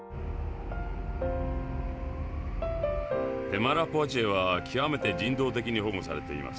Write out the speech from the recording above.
テマラ・ポワチエはきわめて人道的に保護されています。